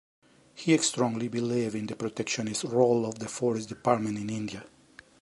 He strongly believed in the protectionist role of the forest department in India.